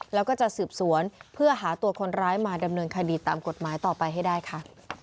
แล้วก็จะสืบสวนเพื่อหาตัวคนร้ายมาดำเนินคดีตามกฎหมายต่อไปให้ได้ค่ะ